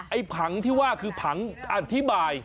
ผังที่ว่าคือผังอธิบาย